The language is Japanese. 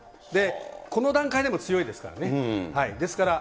この段階でも強いですからね。